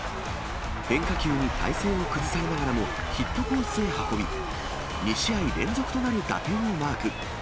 変化球に体勢を崩されながらも、ヒットコースへ運び、２試合連続となる打点をマーク。